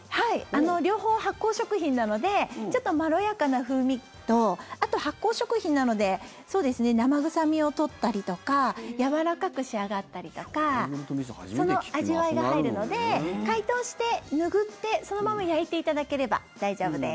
両方発酵食品なのでちょっとまろやかな風味とあと発酵食品なので生臭みを取ったりとかやわらかく仕上がったりとかその味わいが入るので解凍して拭ってそのまま焼いていただければ大丈夫です。